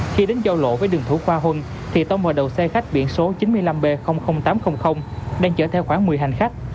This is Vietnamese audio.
khi đến giao lộ với đường thủ khoa huân thì tông vào đầu xe khách biển số chín mươi năm b tám trăm linh đang chở theo khoảng một mươi hành khách